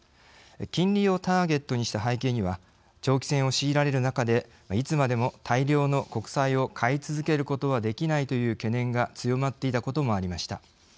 金利をターゲットにした背景には長期戦を強いられる中でいつまでも大量の国債を買い続けることはできないという疑念が強まっていたこともありました。